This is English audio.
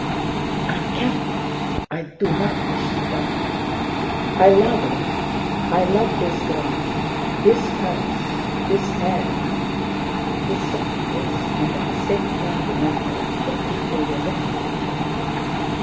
"I cannot, I do not wish to die. I love life—I love this grass, this earth, this air...." He thought this, and at the same time remembered that people were looking at him.